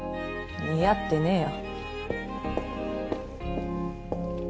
似合ってねえよ